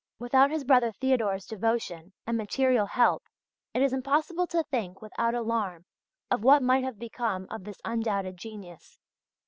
Without his brother Theodor's devotion and material help it is impossible to think without alarm of what might have become of this undoubted genius.